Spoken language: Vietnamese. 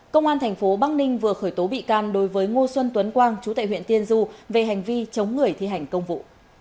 công an tp bắc ninh vừa khởi tố bị can đối với ngô xuân tuấn quang chú tại huyện tiên du về hành vi chống người thi hành công vụ